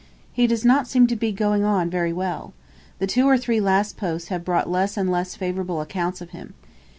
He does not seem to be going on very well. The two or three last posts have brought less and less favourable accounts of him.